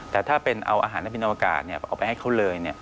แต่ถ้าเป็นเอาอาหารที่เป็นอวการเอาไปให้เขาเลย